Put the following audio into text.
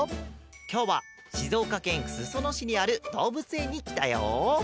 きょうはしずおかけんすそのしにあるどうぶつえんにきたよ。